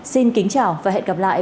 xin kính chào và hẹn gặp lại